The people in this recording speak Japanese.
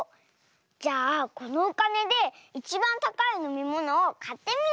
じゃあこのおかねでいちばんたかいのみものをかってみよう！